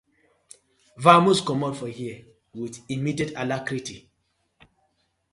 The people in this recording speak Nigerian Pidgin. Vamoose comot for here with immediate alarcrity.